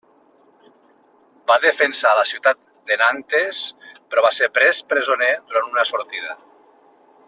Va defensar la ciutat de Nantes, però va ser pres presoner durant una sortida.